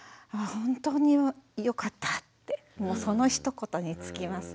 ほんとによかったってそのひと言に尽きます。